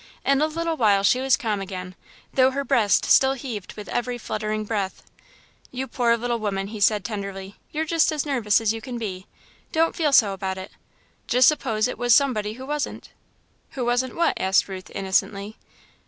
In a little while she was calm again, though her breast still heaved with every fluttering breath. "You poor little woman," he said, tenderly, "you're just as nervous as you can be. Don't feel so about it. Just suppose it was somebody who wasn't!" "Who wasn't what?" asked Ruth, innocently.